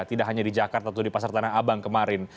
tidak hanya di jakarta atau di pasar tanah abang kemarin